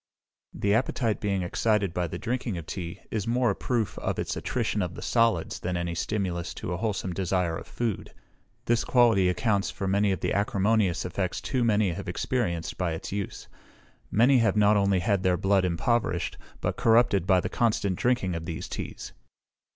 The appetite being excited by the drinking of tea, is more a proof of its attrition of the solids than any stimulus to a wholesome desire of food. This quality accounts for the acrimonious effects too many have experienced by its use. Many have not only had their blood impoverished, but corrupted by the constant drinking of these teas.